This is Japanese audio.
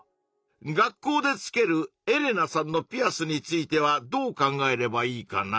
学校でつけるエレナさんのピアスについてはどう考えればいいかな？